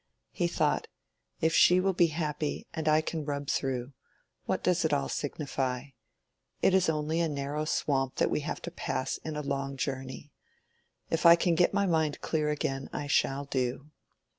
He thought, "If she will be happy and I can rub through, what does it all signify? It is only a narrow swamp that we have to pass in a long journey. If I can get my mind clear again, I shall do."